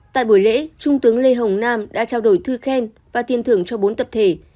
tại buổi lễ trung tướng lê hồng nam đã trao đổi thư khen và tiền thưởng cho bốn tập thể